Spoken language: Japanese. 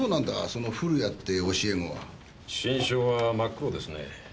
その古谷って教え子は心証は真っ黒ですね